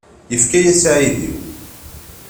Yefka-yas aɛudiw.